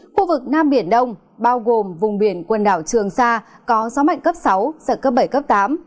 khu vực nam biển đông bao gồm vùng biển quần đảo trường sa có gió mạnh cấp sáu giật cấp bảy cấp tám